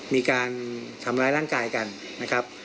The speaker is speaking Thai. มีการทำร้ายร่างกายกันนะครับ